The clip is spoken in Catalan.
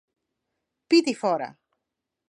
Pit i fora!